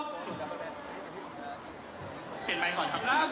เผ่นไปก่อนครับ